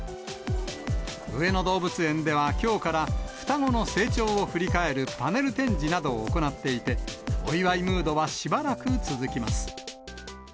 上野動物園では、きょうから双子の成長を振り返るパネル展示などを行っていて、お祝いムードはしばらく続きます。